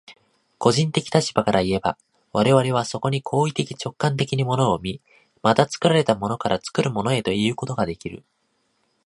個人的立場からいえば、我々はそこに行為的直観的に物を見、また作られたものから作るものへということができる。